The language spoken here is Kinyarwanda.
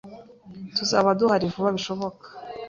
Tuzaba duhari vuba bishoboka.